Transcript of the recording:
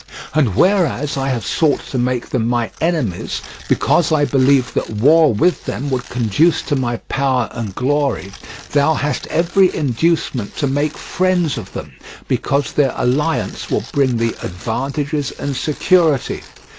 And whereas I have sought to make them my enemies, because I believed that war with them would conduce to my power and glory, thou hast every inducement to make friends of them, because their alliance will bring thee advantages and security.